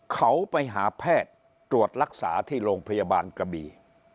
เขาไปหาแพทย์ตรวจรักษาที่โรงพยาบาลกระบี่